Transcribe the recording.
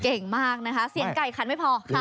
เก่งมากนะคะเสียงไก่คันไม่พอค่ะ